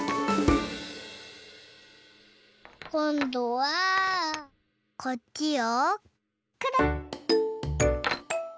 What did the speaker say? こんどはこっちをくるっぴたっ。